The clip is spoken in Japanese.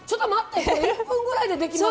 これ１分ぐらいでできます？